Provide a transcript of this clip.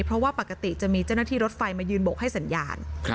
เพราะว่าปกติจะมีเจ้าหน้าที่รถไฟมายืนบกให้สัญญาณ